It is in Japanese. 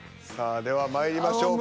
ではまいりましょうか。